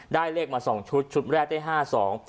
ได้เลขมา๒ชุดชุดแรกได้๕สอง